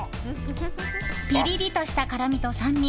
ピリリとした辛みと酸味